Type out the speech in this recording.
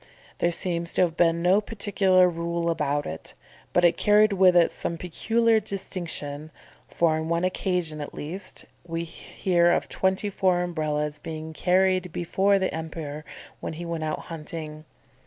There seems to have been no particular rule about it, but it carried with it some peculiar distinction; for, on one occasion at least, we hear of twenty four Umbrellas being carried before the Emperor when he went out hunting.